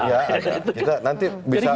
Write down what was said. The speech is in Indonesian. jadi gimana menurut